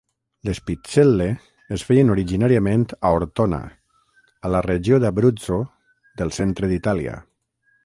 Les "pizzelle" es feien originàriament a Ortona, a la regió d'Abruzzo del centre d'Itàlia.